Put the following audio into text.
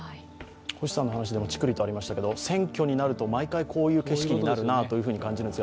星さんの話でもチクリとありましたが、選挙になると毎回こうした景色になるなと思います。